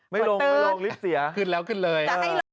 ไม่ลงไม่ลงลิฟต์เสียขึ้นแล้วขึ้นเลย